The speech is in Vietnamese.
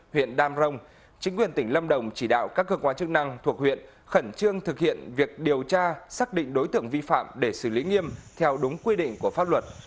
huyện đam rồng chính quyền tỉnh lâm đồng chỉ đạo các cơ quan chức năng thuộc huyện khẩn trương thực hiện việc điều tra xác định đối tượng vi phạm để xử lý nghiêm theo đúng quy định của pháp luật